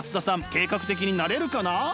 計画的になれるかな？